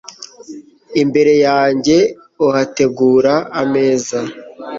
Imbere yanjye uhategura ameza